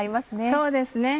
そうですね。